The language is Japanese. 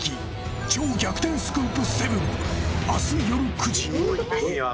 超逆転スクープ７」明日夜９時。